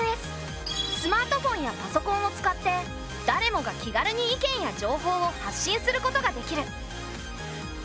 スマートフォンやパソコンを使ってだれもが気軽に意見や情報を発信することができる。